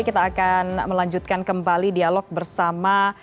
kita akan melanjutkan kembali dialog bersama